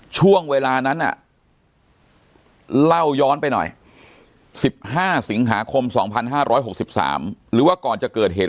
ช่วงเวลานั้นเล่าย้อนไปหน่อย๑๕สิงหาคม๒๕๖๓หรือว่าก่อนจะเกิดเหตุ